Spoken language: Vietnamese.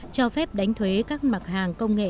cho phép đánh thuế các mặt hàng công nghệ